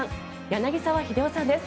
柳澤秀夫さんです。